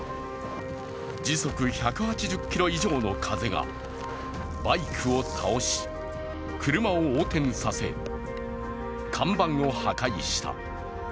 時速１８０キロ以上の風がバイクを倒し、車を横転させ看板を破壊した。